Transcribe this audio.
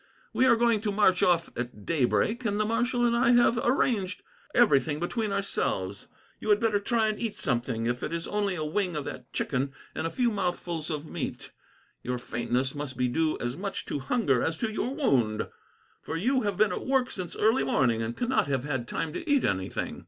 "We are going to march off at daybreak, and the marshal and I have arranged everything between ourselves. You had better try and eat something, if it is only a wing of that chicken and a few mouthfuls of meat. Your faintness must be due as much to hunger as to your wound, for you have been at work since early morning, and cannot have had time to eat anything."